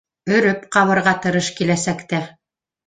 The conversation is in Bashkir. — Өрөп ҡабырға тырыш киләсәктә